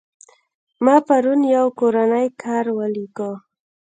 ما پرون يو کورنى کار وليکى.